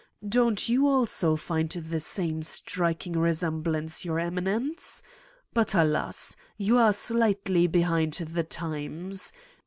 Don't you also find the same striking re semblance, Your Eminence f But alas ! You are slightly behind the times.